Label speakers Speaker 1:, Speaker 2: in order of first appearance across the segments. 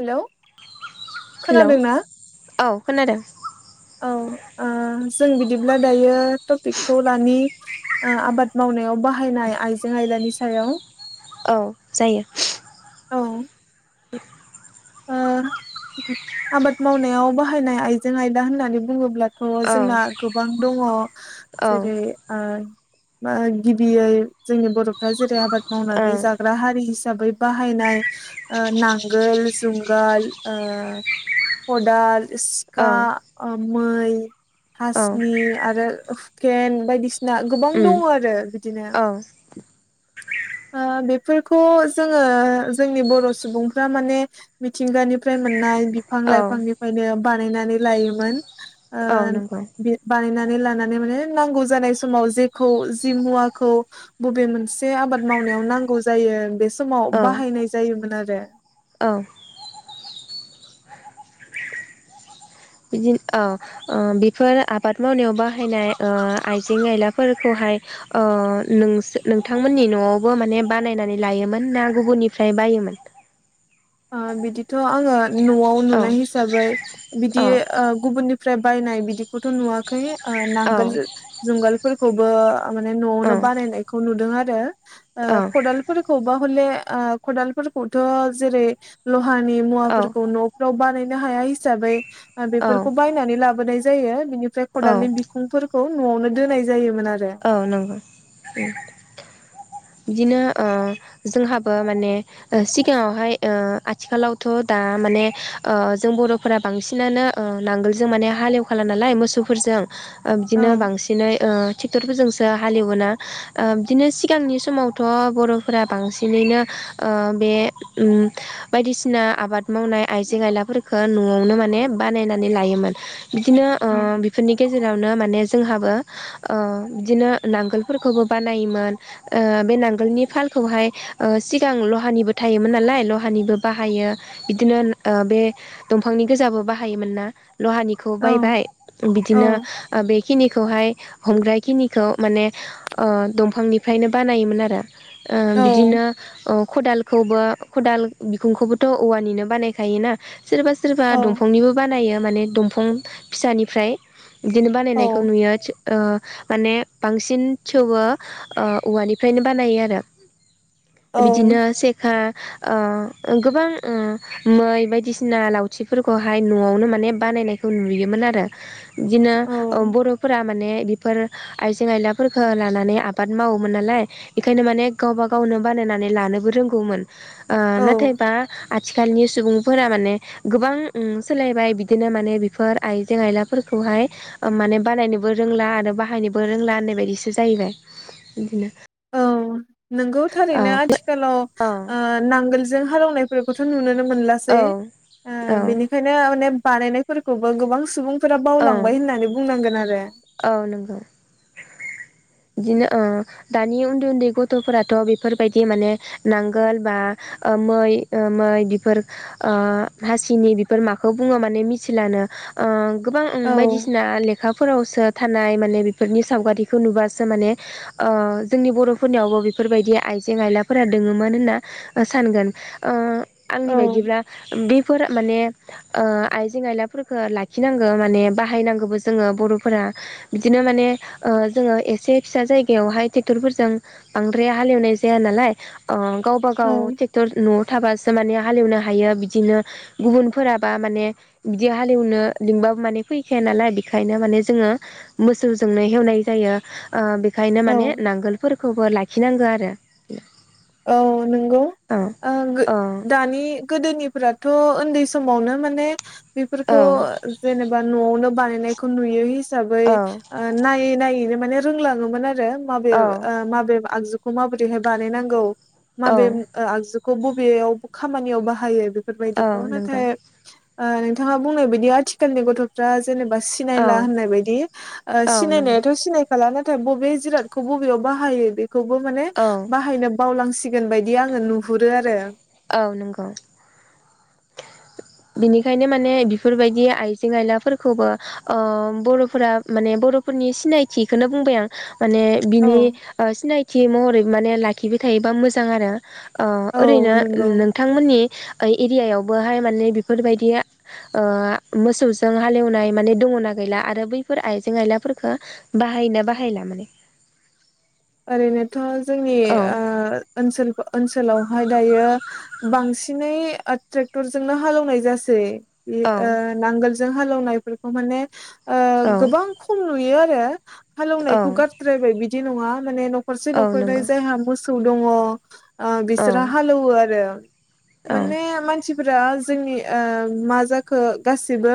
Speaker 1: Hello खोनादों ना?
Speaker 2: खानादों।
Speaker 1: औ ओ जों बिदिब्ला दायो टपिकखौ लानि ओ आबाद मावनायाव बाहायनाय आइजें आयलाानि सायाव।
Speaker 2: औ जायो।
Speaker 1: औ।
Speaker 2: [inaudible]
Speaker 1: ओ आबाद मावनायाव बाहायनाय आइजें आयला होननानै बुङोब्ला थ'
Speaker 2: औ
Speaker 1: जोंना गोबां दङ'
Speaker 2: औ
Speaker 1: जेरै ओ ओ गिबियै जोंनि बर'फ्रा जेरै आबाद
Speaker 2: औ
Speaker 1: मावनानै जाग्रा हारि हिसाबै बाहायनाय ओ नांगोल, जुंगाल ओ खदाल सिखा
Speaker 2: औ
Speaker 1: मै,
Speaker 2: औ
Speaker 1: हासनि आरो हुकेन बायदिसिना गोबां
Speaker 2: उम
Speaker 1: दङ' आरो बि दिनो।
Speaker 2: औ
Speaker 1: ओ बेफोरखौ जोङो जोंनि बर' सुबुंफ्रा माने मिथिंगानिफ्राय मोननाय बिफां
Speaker 2: औ
Speaker 1: लाइफांनिफ्रायनो बानायनानै लायोमोन। ओ
Speaker 2: औ नंगौ
Speaker 1: बि बानायनानै ला नानै माने नांगौ जानाय समाव जेखौ जि मुवाखौ बबे मोनसे आबाद मावनायाव नांगौ जायो बे समाव
Speaker 2: औ
Speaker 1: बाहायनाय जायोमोन आरो। दे
Speaker 2: औ। बिदि ओ, ओ बेफोर आबाद मावनायाव बाहायनाय ओ आइजें आयलाफोरखौहाय ओ नोंसो नोंथांमोननि न'आवबो माने बानायनानै लायोमोन ना गुबुननिफ्राय बायोमोन?
Speaker 1: ओ बिदिथ' आङो न'आव
Speaker 2: औ
Speaker 1: नुनाय हिसाबै बिदि
Speaker 2: औ
Speaker 1: ओ गुबुननि फ्राय बायनाय बिदिखौथ' नुवाखै ओ नांगोल
Speaker 2: औ
Speaker 1: जों जुंगाल फोरखौबो माने
Speaker 2: औ
Speaker 1: न'आवनो बानायनायखौ नुदों आरो ओ खदालफोरखौबा हले ओ खदालफोरखौथ' जेरै लहानि मुवाफोरखौ नफ्राव बानायनो हाया हिसाबै
Speaker 2: औ
Speaker 1: बेफोरखौ बायनानै लाबो बोनाय जायो बिनिफ्राय
Speaker 2: औ
Speaker 1: खदालनि बिखुंफोरखौ न'आवनो दोनाय जायोमोन आरो।
Speaker 2: औ नंगौ। उम बिदिनो ओ जोंहाबो माने ओ सिगाङावहाय ओ आथिखालावथ' दा माने ओ जों बर'फोरा बांसिनानो ओ नांगोलजों माने हालेवखाला नालाय मोसौफोरजों ओ
Speaker 1: औ
Speaker 2: बिदिनो बांसिनै ओ टिक्टरफोरजोंसो दा हालिवोना ओ बिदिनो सिगांनि समावथ' बर'फोरा बांसिनैनो ओ बे उम बायदिसिना आबाद मावनाय आइजें आइलाफोरफोरखो न'आवनो माने बानायनानै लायोमोन। बिदिनो ओ
Speaker 1: औ
Speaker 2: बिफोरनि गेजेरावनो माने जोंहाबो ओ बिदिनो नांगोलफोरखौबो बानायोमोन ओ बे नांगोलनि फालखौहाय ओ सिगां लहानिबो थायोमोन नालाय लहानिबो बाहायो बिदिनो ओ बे दंफांनि गोजाबो बाहायोमोन ना लहानिखौ बायबाय
Speaker 1: औ
Speaker 2: बिदिनो ओ बेखिनिखौहाय हमग्राय खिनिखौ माने ओ दंफांनि फ्रायनो बानायोमोन आरो ओ बिदिनो ओ खदालखौबो खदाल बिखुंखौबोथ औवानिनो बानायखायोना सोरबा सोरबा
Speaker 1: औ
Speaker 2: दंफांनिबो बानायो माने दंफां फिसानिफ्राय बिदिनो बानायनायखौ
Speaker 1: औ
Speaker 2: नुयो आथि ओ माने बांसिन थेवबो ओ औवानिफ्रायनो बानायो आरो
Speaker 1: औ
Speaker 2: बिदिनो सेखा ओ गोबां ओ मै बायदिसिना लावथिफोरखौहाय नआवनो माने बानायनायखौ नुयोमोन आरो बिदिनो ओ
Speaker 1: औ
Speaker 2: बर'फोरा माने बेफोर आइजें आयलाफोरखौ लानानै आ बाद मावोमोन नालाय बेखायनो माने गावबा गावनो बानायनानै लानोबो रोंगौमोन ओ
Speaker 1: औ
Speaker 2: नाथायबा आथिखालनि सुबुंफोरा माने गोबां उ सोलायबाय बिदिनो माने बेफोर आइजें आइलाफोरखौहाय ओ माने बानायनोबो रोंला आरो बाहायनोबो रोंला होननाय बायदिसो जाहैबाय। बिदिनो
Speaker 1: औ नोंगौ
Speaker 2: औ
Speaker 1: थारैनो आथिखालाव
Speaker 2: औ
Speaker 1: ओ नांगोलजों हालौनाय फोरखौ थ नुनो नुनो मोनलासै
Speaker 2: औ
Speaker 1: ओ
Speaker 2: औ
Speaker 1: बेनिखायनो माने बानायनायफोरखौबो गोबां सुबुं फोरा
Speaker 2: औ
Speaker 1: बावलांबाय होननानै बुंनांगोन आरो
Speaker 2: औ नंगौ बिदिनो ओ दानि उन्दै उन्दै गथ'फोराथ' बेफोर बायदि माने नांगोल बा ओ मै ओ मै बिफोर ओ हासिनि बेफोर माखौ बुङो माने मिथिलानो ओ गोबां ओं
Speaker 1: औ
Speaker 2: बायदिसिना लेखाफोरावसो थानाय माने बेफोरनि सावगारिखौ नुबासो माने ओ जोंनि बर'फोरनियावबो बेफोरबायदि आइजें आयलाफोरा दोङोमोन होनना सानगोन ओ आंनि
Speaker 1: औ
Speaker 2: बायदिब्ला बेफोर माने ओ आइजें आयलाफोरखो लाखिनांगो माने बाहायनांगौबो जोङो बर'फोरा बिदिनो माने ओ जोङो एसे फिसा जायगायावहाय ट्रेक्टरफोरजों बांद्राय हालेवनाय जाया नालाय ओ गावबा
Speaker 1: औ
Speaker 2: गाव ट्रेक्टर न'आव थाबा सो माने हालेवनो हायो बिदिनो गुबुनफोराबा माने बिदि हालेवनो लिंबाबो माने फैखाया नालाय बेखायनो माने जोङो मोसौजोंनो हेवनाय जायो ओ बेखायनो
Speaker 1: औ
Speaker 2: माने नांगोलफोरखौबो लाखिनांगो आरो
Speaker 1: औ नंगौ
Speaker 2: औ
Speaker 1: ओ
Speaker 2: औ
Speaker 1: दानि गोदोनिफ्राथ उन्दै समावनो माने बेफोरखौ
Speaker 2: औ
Speaker 1: जेनेबा नआवनो बानायनायखौ नुयो हि साबै ओ नायै नायैनो माने रोंलाङोमोन आरो। [unintelligible] माबे
Speaker 2: औ
Speaker 1: ओ माबे आगजु खौ माबोरैहाय बानायनांगौ। मा
Speaker 2: औ
Speaker 1: बे ओ आगजु खौ बबेयाव खामानियाव बाहायो बे बेफोर
Speaker 2: औ
Speaker 1: बायदिखौ
Speaker 2: नंगौ
Speaker 1: नाथाय ओ नोंथाङा बुंनाय बायदि आथिखालनि गथफ्रा जेनेबा
Speaker 2: औ
Speaker 1: सिनायला होननाय बायदि ओ
Speaker 2: औ नंगौ
Speaker 1: सिनायनायाथ सिनायखालानो। बबे जिराथखौ मबेयाव बाहाय बे खौबो माने
Speaker 2: औ
Speaker 1: बाहायनो बावलांसिगोन बायदि आङो नुहुरो आरो।
Speaker 2: औ नंगौ। बिनिखायनो माने बेफोरबायदि आइजें आयलाफोरखौबो ओ बरफोरा माने बरफोरनि सिनायथिखौनो बुंबाय आं। माने बिनि ओ सिनायथि महरै माने लाखिबाय थायोबा मोजां आरो। ओ
Speaker 1: औ
Speaker 2: ओरैनो
Speaker 1: नंगौ
Speaker 2: नोंथांमोननि ओइ एरियायावबोहाय माने फोरबायदिआ मोसौजों हालेवनाय माने दङना गैला आरो बैफोर आइजें आयलाफोरफोरखो बाहायना बाहायला माने?
Speaker 1: ओरैनो त जोंनि
Speaker 2: औ
Speaker 1: ओ ओनसोल ओसोलावहाय दायो बांसिनै ओ ट्रेक्टरजोंनो हालौनाय जासै बि
Speaker 2: औ
Speaker 1: ओ नांगोल जों हालौनायफोरखौ माने ओ
Speaker 2: औ
Speaker 1: गोबां खम नुयो [inaudible]
Speaker 2: औ
Speaker 1: हालौवनायखौ गारद्रायबाय बिद दि नङा माने नखरसे
Speaker 2: औ
Speaker 1: नखरनै
Speaker 2: नंगौ
Speaker 1: जायहा मोसौ औ दङ आ
Speaker 2: औ
Speaker 1: बिसोरा हालौओ आरो
Speaker 2: औ
Speaker 1: माने मानसि फ्रा जोंनि ओ मा जाखो गासिबो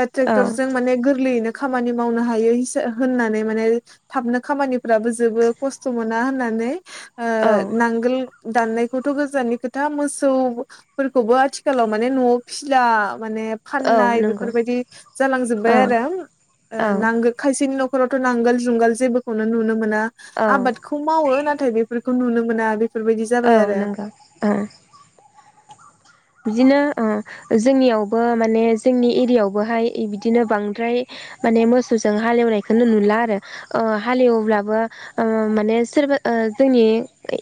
Speaker 1: ए
Speaker 2: औ
Speaker 1: ट्रेक्टर जों माने गोरलैयैनो खामानि मावनो हायो हिसा होननानै माने थाबनो खामानिफ्राबो जो जोबो खस्थ' मोना होननानै
Speaker 2: औ
Speaker 1: ओ नांगोल दाननायखौथ' गोजाननि खोथा मोसौफोरखौबो आथिखालाव माने नआव फिला माने
Speaker 2: औ
Speaker 1: फाननाय
Speaker 2: नंगौ
Speaker 1: बेफोरबायदि जालांजोबबाय
Speaker 2: औ
Speaker 1: आरो
Speaker 2: औ
Speaker 1: नांगोल खायसेनि नख ख'रावथ' नांगोल जुंगाल जेबोखौनो नुनो मोना
Speaker 2: औ
Speaker 1: आबादखौ मावो नाथाय बेफोर खौ नुनो मोना बे फोरबायदि
Speaker 2: औ
Speaker 1: जाबाय आरो
Speaker 2: नंगौ औ बिदिनो ओ जोंनियावबो माने जोंनि एरियावबोहाय बिदिनो बांद्राय माने मोसौजों हालेवनायखौनो नुला आरो हालेवब्लाबो माने सोरबा जोंनि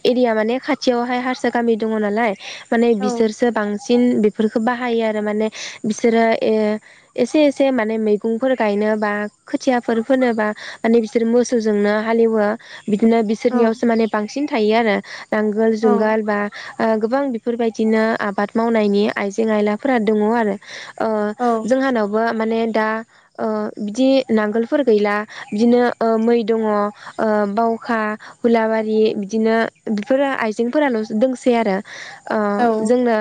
Speaker 2: एरिया माने खाथियावहाय हारसा गामि दङ नालाय माने
Speaker 1: औ
Speaker 2: बिसोर बांसिन बेफोरखौ बाहायो आरो माने बिसोरो ओ एसे एसे माने मैगंफोर गायनोबा खोथियाफोर फोनोबा माने बिसोर मोसौजोंनो हालेवो बिदिनो
Speaker 1: औ
Speaker 2: बिसोरनियावसो माने बांसिन थायो आरो नांगोल
Speaker 1: औ
Speaker 2: जुंगाल बा ओ गोबां बेफोरबायदिनो आब आबाद मावनायनि आइजें आयलाफोरा दङ आरो ओ जोंहानावबो माने दा ओ बिदि नांगोलफोर गैला बिदिनो ओ मै दङ ओ दङ बावखा हुलाबारि बिदिनो बेफोरो आइजेंफोराल' दोंसै आरो ओ
Speaker 1: औ
Speaker 2: जोंनो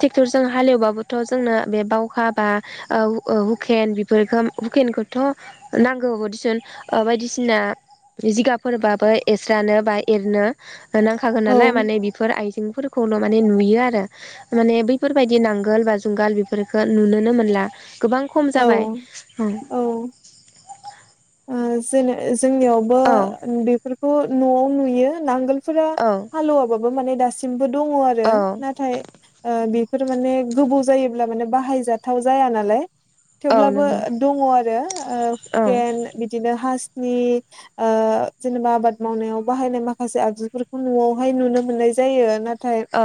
Speaker 2: टेक्टरजों हालेवबाबोथ' जोंनो बे बावखा बा ओ ओ हुकेन बेफोरखौ हुकेनखौथ' नांगौबो दिसुन बायदिसिना जिगाबफोरबाबो एरस्रानो बा एरनो नांखागोन
Speaker 1: औ
Speaker 2: नालाय माने बेफोर आइजेंफोरखौ खौनो माने नुयो आरो माने बैफोरबायदि नांगोल बा जुंगाल बेफोरखो नुनोनो मोनला गोबां खम जाबाय
Speaker 1: औ
Speaker 2: उम
Speaker 1: आ जोनो जोंनियावबो बेफोरखौ न'आव नुयो नांगोल फ्रा
Speaker 2: औ
Speaker 1: हालोवाबाबो बो माने दासिमबो दङ आरो
Speaker 2: औ
Speaker 1: नाथाय ओ‌ बिफ फोर माने गोबव जायोब्ला माने बाहायजाथाव जाया नालाय
Speaker 2: औ
Speaker 1: थेवब्लाबो
Speaker 2: नंगौ
Speaker 1: दङ आरो ओ
Speaker 2: औ
Speaker 1: हुखेन आरो हासनि ओ जेनेबा आबाद मावनायाव बाहायनाय माखासे आगजुफोरखौ नआवहाय नुनो मोननाय जायो ना थाय
Speaker 2: औ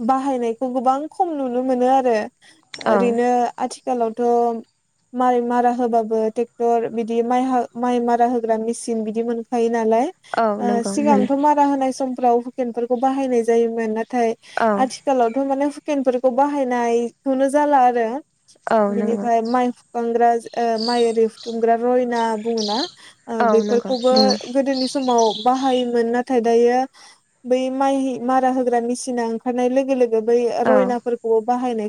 Speaker 1: बा बाहायनायखौ गोबां खम नुनो मोनो आरो।
Speaker 2: औ
Speaker 1: ओरैनो आथि आथिखालावथ माइ मारा होबाबो ट्रेक्टर। बिदि माइ- माइ मारा होग्रा मेसिन बिदि मोनखायो। नालाय
Speaker 2: औ नंगौ मोनो
Speaker 1: सिगांथ मारा होनाय समफ्राव। हुकेनफोरखौ बाहायनाय जायोमोन ना। नाथाय
Speaker 2: औ
Speaker 1: आथिखालावथ माने। हुकेन फोरखौ बाहायनायखौनो जाला आरो।
Speaker 2: औ नंगौ
Speaker 1: बिनिफ्राय माइ कंग्राज ओ माइरि दुमग्रा रयना बुङो ना।
Speaker 2: औ नंगौ
Speaker 1: बेफोरखौबो
Speaker 2: बुङो
Speaker 1: गोदोनि समाव बाहाय। नाथाय दायो बै माइ मारा होग्रा मेसिना ओंखारनाय लोगो लोगो। बै
Speaker 2: औ
Speaker 1: रयनाफोरखौ। बाहायनाय खौ।